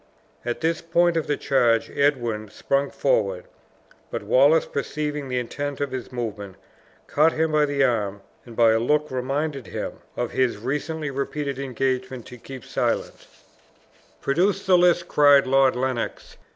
At this point of the charge Edwin sprung forward; but Wallace, perceiving the intent of his movement, caught him by the arm, and, by a look, reminded him of his recently repeated engagement to keep silent. "Produce the list," cried Lord Lennox.